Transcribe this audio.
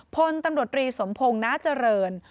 พลตำรวจรีสมพงศ์นาเจริญ